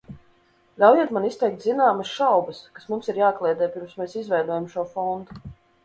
Ļaujiet man izteikt zināmas šaubas, kas mums ir jākliedē, pirms mēs izveidojam šo fondu.